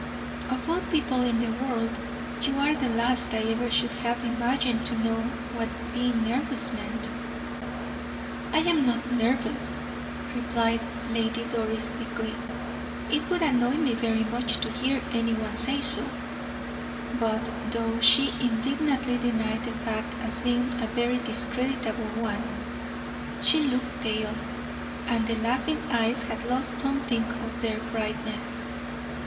"Of all people in the world, you are the last I ever should have imagined to know what being nervous meant." "I am not nervous," replied Lady Doris, quickly. "It would annoy me very much to hear any one say so." But though she indignantly denied the fact as being a very discreditable one, she looked pale, and the laughing eyes had lost something of their brightness.